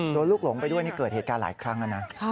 ลูกหลงไปด้วยนี่เกิดเหตุการณ์หลายครั้งแล้วนะ